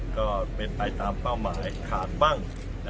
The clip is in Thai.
ก็เป็นไปตามเป้าหมายขาดบ้าง